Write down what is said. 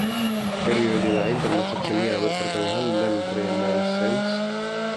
Periode lain termasuk seni abad pertengahan dan Renaissance.